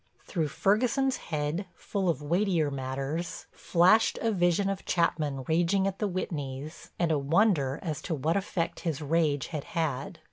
Through Ferguson's head, full of weightier matters, flashed a vision of Chapman raging at the Whitneys and a wonder as to what effect his rage had had.